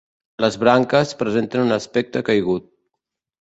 Les branques presenten un aspecte caigut.